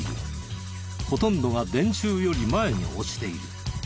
ほとんどが電柱より前に落ちている。